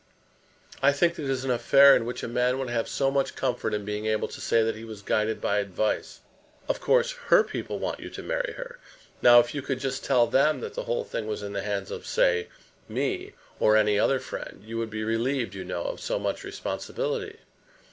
"I think it is an affair in which a man would have so much comfort in being able to say that he was guided by advice. Of course, her people want you to marry her. Now, if you could just tell them that the whole thing was in the hands of, say me, or any other friend, you would be relieved, you know, of so much responsibility.